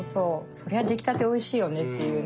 そりゃ出来たておいしいよねっていうね。